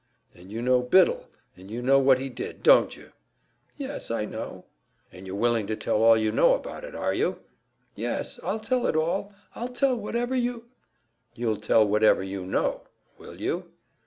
"And you know Biddle, and you know what he did, don't you?" "Yes, I know." "And you're willing to tell all you know about it, are you?" "Yes, I'll tell it all. I'll tell whatever you " "You'll tell whatever you know, will you?"